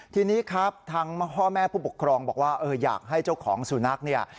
ทีนี้ครับทางพ่อแม่ผู้ปกครองบอกว่าอยากให้เจ้าของสุนัขเนี่ย